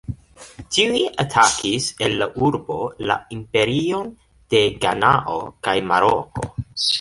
Tiuj atakis el la urbo la imperion de Ganao kaj Maroko.